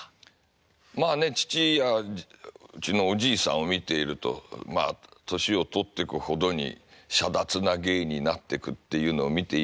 まあね父やうちのおじいさんを見ているとまあ年を取ってくほどにしゃだつな芸になってくっていうのを見ているのでね